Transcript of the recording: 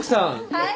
はい？